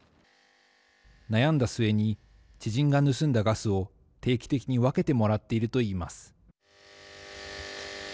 悩んだ末に知人が盗んだガスを定期的に分けてもらっていると言います。